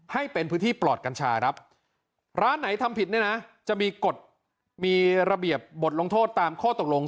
ให้เป็นพื้นที่ปลอดกัญชาครับร้านไหนทำผิดเนี่ยนะจะมีกฎมีระเบียบบทลงโทษตามข้อตกลง